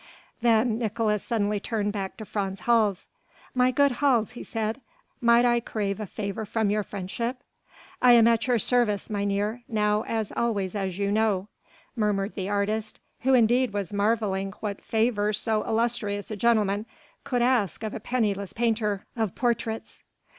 Then Nicolaes suddenly turned back to Frans Hals. "My good Hals," he said, "might I crave a favour from your friendship?" "I am at your service, mynheer, now as always as you know," murmured the artist, who indeed was marvelling what favour so illustrious a gentleman could ask of a penniless painter of portraits.